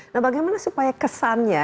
nah bagaimana supaya kesannya